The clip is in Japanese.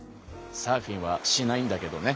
サーフィンはしないんだけどね。